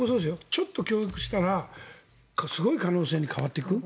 ちょっと教育したらすごい可能性に変わっていく。